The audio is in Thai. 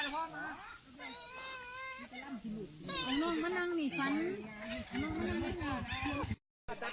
กลับมาเลี่ยงแบบรัก